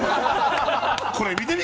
これ見てみ。